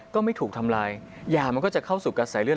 ก็ไม่ถูกทำลายยามันก็จะเข้าสู่กระแสเลือ